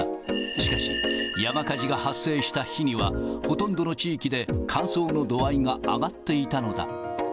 しかし、山火事が発生した日には、ほとんどの地域で乾燥の度合いが上がっていたのだ。